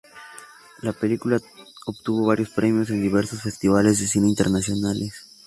La película obtuvo varios premios en diversos festivales de cine internacionales.